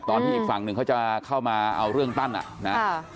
ตอนนี้อีกฝั่งหนึ่งเขาจะเข้ามาเอาเรื่องตัน